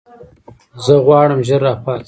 زه غواړم ژر راپاڅم.